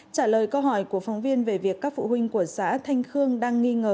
trả lời câu hỏi của phóng viên về việc các phụ huynh của xã thanh khương đang nghi ngờ